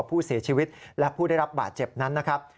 ผู้เสียชีวิตและผู้ได้รับบาดเจ็บนั้นนะครับ